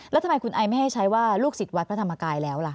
แล้วทำไมคุณไอไม่ให้ใช้ว่าลูกศิษย์วัดพระธรรมกายแล้วล่ะ